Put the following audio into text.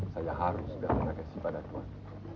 saya harus berharga kepada tuhan